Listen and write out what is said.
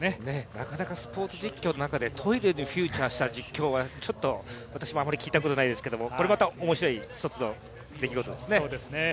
なかなかスポーツ実況の中でトイレにフィーチャーした実況はちょっと私も、あまり聞いたことがないですけどこれもまた面白い一つの出来事ですね。